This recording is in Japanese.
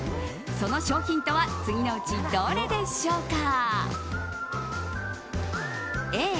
その商品とは次のうちどれでしょうか？